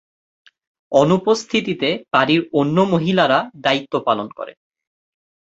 অনুপস্থিতিতে বাড়ির অন্য মহিলারা দায়িত্ব পালন করে।